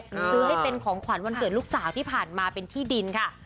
ซื้อให้เป็นของขวัญวันเกิดลูกสาวที่ผ่านมาเป็นที่ดินค่ะ